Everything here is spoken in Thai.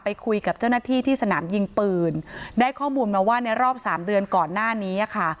คุยกับเจ้าหน้าที่ที่สนามยิงปืนได้ข้อมูลมาว่าในรอบสามเดือนก่อนหน้านี้อ่ะค่ะ